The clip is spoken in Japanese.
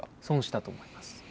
損したと思います。